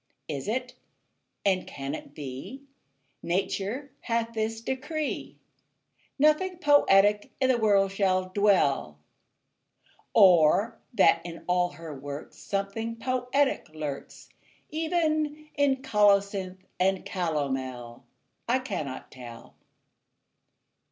Is it, and can it be, Nature hath this decree, Nothing poetic in the world shall dwell? Or that in all her works Something poetic lurks, Even in colocynth and calomel? I cannot tell.